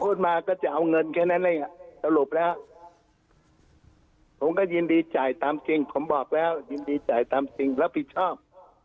พูดมาก็จะเอาเงินแค่นั้นเองสรุปแล้วผมก็ยินดีจ่ายตามจริงผมบอกแล้วยินดีจ่ายตามจริงรับผิดชอบ